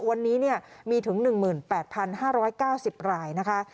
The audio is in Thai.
วันนี้เนี่ยมีถึงหนึ่งหมื่นแปดพันห้าร้อยเก้าสิบรายนะคะ